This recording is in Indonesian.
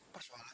maaf pak amin